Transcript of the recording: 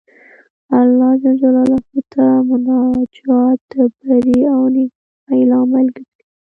الله جل جلاله ته مناجات د بري او نېکمرغۍ لامل ګرځي.